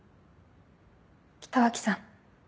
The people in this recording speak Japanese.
北脇さん。